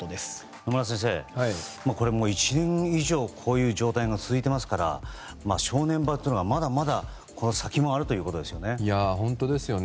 野村先生、これもう１年以上こういう状態が続いてますから正念場というのは、まだまだこの先もあるということですよね。